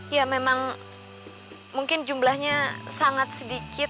ya memang mungkin jumlahnya sangat sedikit